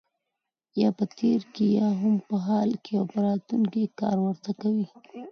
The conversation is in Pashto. یا په تېر کې یا هم په حال او راتلونکي کې کار ورته کوي.